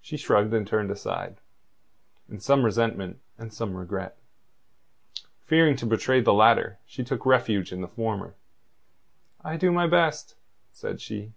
She shrugged and turned aside, in some resentment and some regret. Fearing to betray the latter, she took refuge in the former. "I do my best," said she.